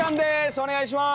お願いします！